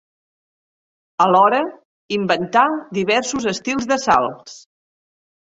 Alhora inventà diversos estils de salts.